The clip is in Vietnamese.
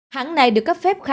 hãng này được cấp phép khai thác